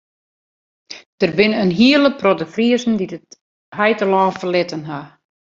Der binne in hiele protte Friezen dy't it heitelân ferlitten ha.